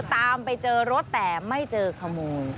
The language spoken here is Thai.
ตามไปเจอรถแต่ไม่เจอขโมย